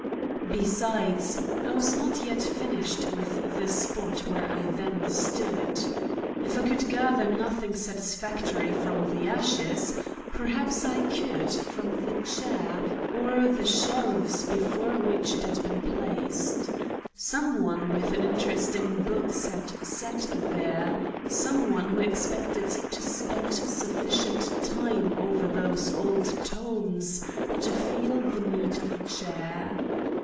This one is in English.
Besides, I was not yet finished with the spot where I then stood. If I could gather nothing satisfactory from the ashes, perhaps I could from the chair or the shelves before which it had been placed. Some one with an interest in books had sat there; some one who expected to spend sufficient time over these old tomes to feel the need of a chair.